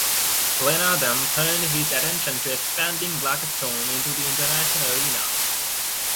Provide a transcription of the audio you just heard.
Lenna then turned his attention to expanding Blackstone into the international arena.